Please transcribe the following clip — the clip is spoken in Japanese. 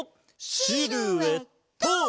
シルエット！